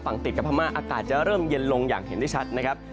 ติดกับพม่าอากาศจะเริ่มเย็นลงอย่างเห็นได้ชัดนะครับ